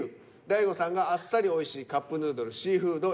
大悟さんが「あっさりおいしいカップヌードルシーフード」。